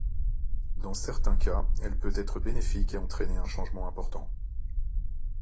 Dans certains cas, elle peut être bénéfique et entraîner un changement important.